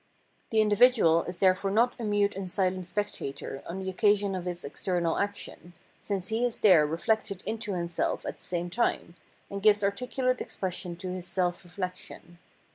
The individual is therefore not a mute and silent spectator on the occasion of his external action, since he is there reflected into himself at the same time, and gives articulate expression to this self reflection.